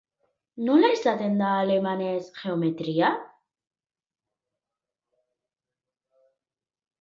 Nola esaten da alemanez "geometria"?